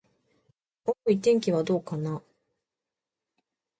おーーい、天気はどうかな。